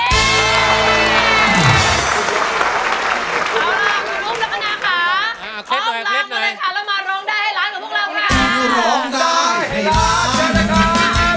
พบเรามาเลยค่ะเรามาร้องได้ให้ร้านให้พวกเรากว่าค่ะ